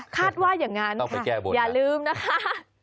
คาดว่ายังงั้นค่ะอย่าลืมนะคะต้องไปแก้บท